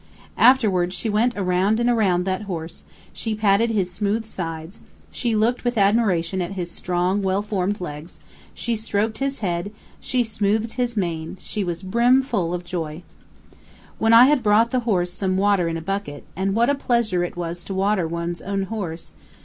Afterward she went around and around that horse; she patted his smooth sides; she looked, with admiration, at his strong, well formed legs; she stroked his head; she smoothed his mane; she was brimful of joy. When I had brought the horse some water in a bucket and what a pleasure it was to water one's own horse!